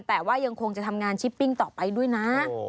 แต่ว่ายังคงจะทำงานชิปปิ้งต่อไปด้วยนะ